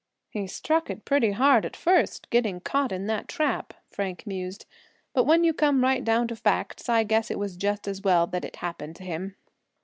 "He struck it pretty hard at first, getting caught in that trap," Frank mused; "but when you come right down to facts I guess it was just as well that it happened to him."